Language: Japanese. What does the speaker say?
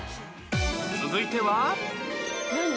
続いては